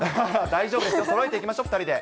大丈夫です、そろえていきましょう、２人で。